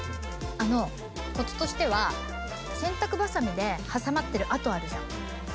あのコツとしては洗濯ばさみで挟まってる跡あるじゃん。あそこが一番フグ。